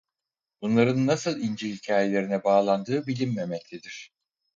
Bunların nasıl İncil hikâyelerine bağlandığı bilinmemektedir.